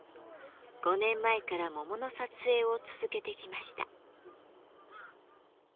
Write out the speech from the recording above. ５年前から桃の撮影を続けてきました。